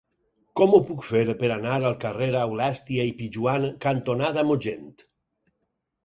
Com ho puc fer per anar al carrer Aulèstia i Pijoan cantonada Mogent?